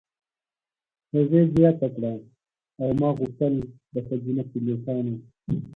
هغې زیاته کړه: "او ما غوښتل د ښځینه پیلوټانو.